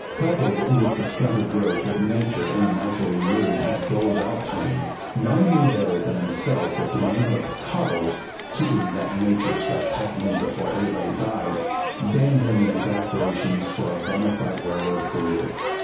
Coupled with the stunted growth that nature in a miserly mood had doled out to him, none knew better than himself that the name of "Toddles," keeping that nature stuff patently before everybody's eyes, damned him in his aspirations for a bona fide railroad career.